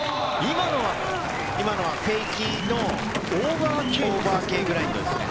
今のはフェイキーのオーバーＫグラインドですね。